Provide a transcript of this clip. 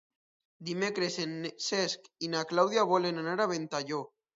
Dimecres en Cesc i na Clàudia volen anar a Ventalló.